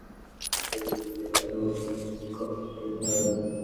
শনিবার রাত সাড়ে আটটার দিকে বিদ্যুতের বিল নিয়ে তাঁদের মধ্যে কথা-কাটাকাটি হয়।